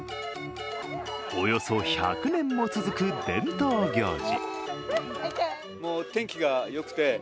およそ１００年も続く伝統行事。